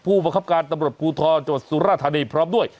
ภูมิบัครับการตำรวจกุธรจบศุรภานีพร้อมด้วย